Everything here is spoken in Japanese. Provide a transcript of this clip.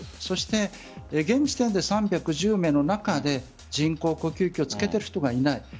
そして現時点で３１０名の中で人工呼吸器を付けている人がいない。